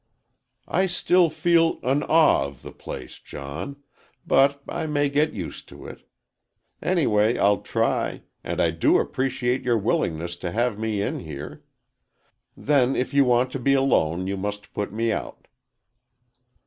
"I still feel an awe of the place, John, but I may get used to it. Anyway, I'll try, and I do appreciate your willingness to have me in here. Then if you want to be alone, you must put me out."